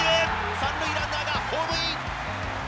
３塁ランナーがホームイン。